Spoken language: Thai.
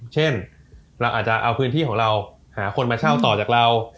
เช่นเราอาจจะเอาพื้นที่ของเราหาคนมาเช่าต่อจากเรา